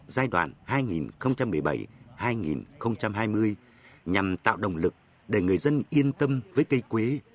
giai đoạn hai nghìn một mươi bảy hai nghìn hai mươi nhằm tạo động lực để người dân yên tâm với cây quế